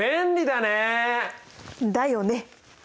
だよね。